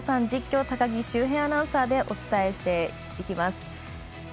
実況、高木修平アナウンサーでお伝えしていきます。